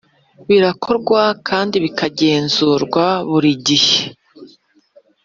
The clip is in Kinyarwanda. birakorwa kandi bikagenzurwa buri gihe